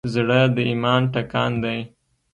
زړه د ایمان ټکان دی.